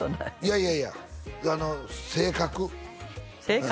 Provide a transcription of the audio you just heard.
いやいや性格性格？